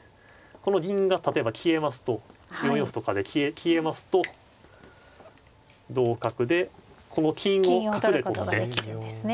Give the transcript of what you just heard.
この銀が例えば消えますと４四歩とかで消えますと同角でこの金を角で取って。